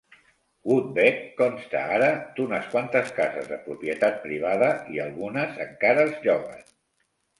Woodbeck consta ara d'unes quantes cases de propietat privada i algunes encara es lloguen.